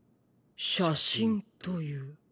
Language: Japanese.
写真という。